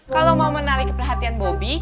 kalau mau menarik perhatian bobby